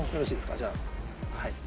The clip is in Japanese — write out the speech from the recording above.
じゃあはい。